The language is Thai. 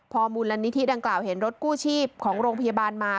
พอมูลนิธิดังกล่าวเห็นรถกู้ชีพของโรงพยาบาลมา